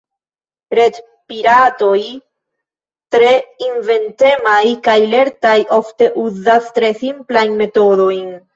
Retpiratoj, tre inventemaj kaj lertaj, ofte uzas tre simplajn metodojn.